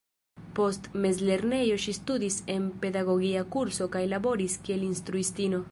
Post mezlernejo ŝi studis en pedagogia kurso kaj laboris kiel instruistino.